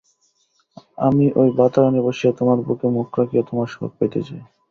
আমি ওই বাতায়নে বসিয়া তোমার বুকে মুখ রাখিয়া তোমার সোহাগ পাইতে চাই।